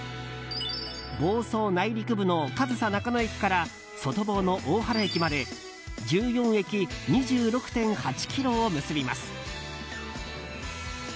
房総内陸部の上総中野駅から外房の大原駅まで１４駅２６．８ｋｍを結びます。